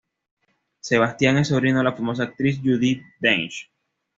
Sebastian es sobrino de la famosa actriz Judi Dench.